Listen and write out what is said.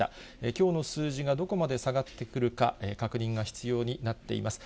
きょうの数字がどこまで下がってくるか、確認が必要になっています。